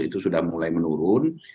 itu sudah mulai menurun